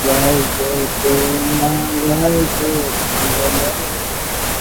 গতকাল সোমবার চট্টগ্রাম জেলা শিল্পকলা একাডেমিতে চেঞ্জমেকার সম্মেলনে বক্তারা এসব কথা বলেছেন।